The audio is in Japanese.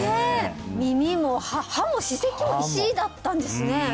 耳も歯も歯石も石だったんですね